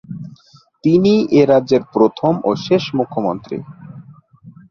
তিনিই এই রাজ্যের প্রথম ও শেষ মুখ্যমন্ত্রী।